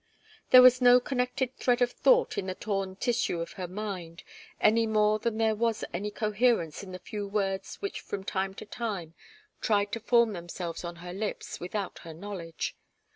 There was no connected thread of thought in the torn tissue of her mind, any more than there was any coherence in the few words which from time to time tried to form themselves on her lips without her knowledge.